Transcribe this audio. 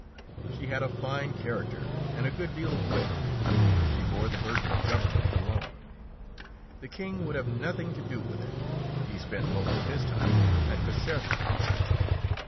She had a fine character and a good deal of wit. She bore the burden of government alone. The King would have nothing to do with it; he spent most of his time at Caserta.